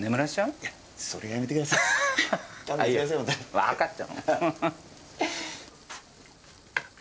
わかった。